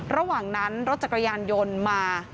ระหว่างนั้นรถจักรยานยนต์มา